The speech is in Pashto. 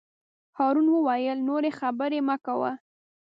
هارون وویل: نورې خبرې مه کوه.